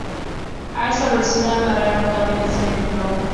Ha establecido una carrera notable en el cine de Bollywood.